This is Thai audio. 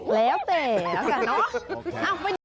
แล้วแต่แล้วกันเนอะ